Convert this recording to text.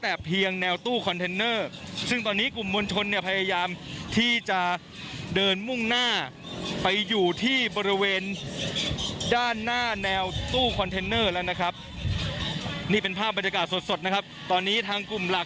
นี่เป็นภาพบริกาสสดนะครับ